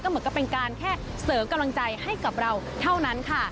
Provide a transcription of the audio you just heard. เหมือนกับเป็นการแค่เสริมกำลังใจให้กับเราเท่านั้นค่ะ